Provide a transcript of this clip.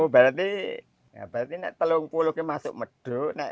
berarti kalau telur masuk ke dalam